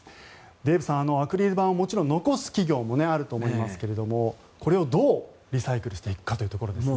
デーブさん、アクリル板をもちろん残す企業もあると思いますがこれをどうリサイクルしていくかというところですね。